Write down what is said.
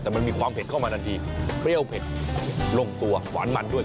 แต่มันมีความเผ็ดเข้ามาทันทีเปรี้ยวเผ็ดลงตัวหวานมันด้วย